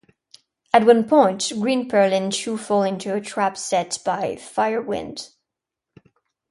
At one point, Green Pearl and Chu fall into a trap set by Fire-Wind.